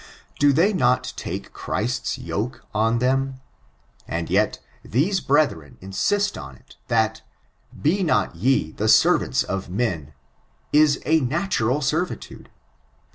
Do they not take Christ's yc^e on themt And yet, these brethren insist on it, that *'be not ye the servants of men," is a natural servitude!